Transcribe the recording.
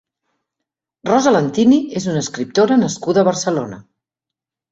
Rosa Lentini és una escriptora nascuda a Barcelona.